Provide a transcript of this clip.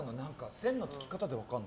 線の付き方で分かるの？